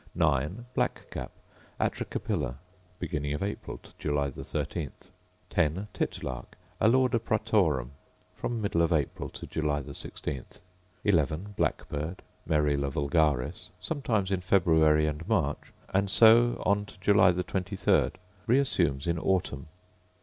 9. Black cap, Atricapilla: Beginning of April to July 13. 10. Titlark, Alauda pratorum: From middle of April to July the 16th. 11. Blackbird, Merula vulgaris: Sometimes in February and March, and so on to July the twenty third; reassumes in autumn.